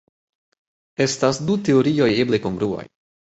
Estas du teorioj eble kongruaj.